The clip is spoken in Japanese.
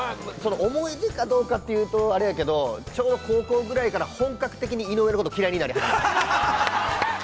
◆思い出かどうかというとあれやけど、ちょうど高校ぐらいから本格的に井上のことを嫌いになり始めました。